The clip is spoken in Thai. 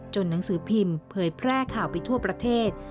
หนังสือพิมพ์เผยแพร่ข่าวไปทั่วประเทศ